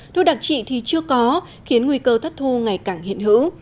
thu đặc trị thì chưa có khiến nguy cơ thất thu ngày càng hiện hữu